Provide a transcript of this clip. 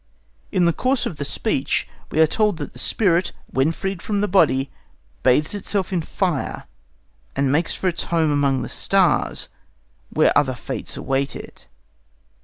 In the course of the speech we are told that the spirit, when freed from the body, bathes itself in fire and makes for its home among the stars, where other fates await it.